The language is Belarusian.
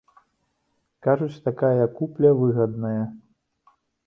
Кажуць, такая купля выгадная.